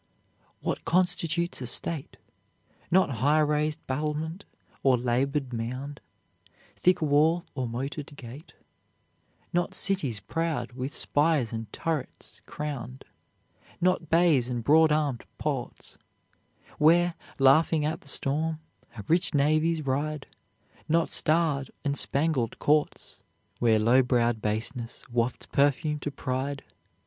What constitutes a state? Not high raised battlement or labored mound, Thick wall or moated gate; Not cities proud with spires and turrets crowned; Not bays and broad armed ports, Where, laughing at the storm, rich navies ride; Not starred and spangled courts, Where low browed baseness wafts perfume to pride.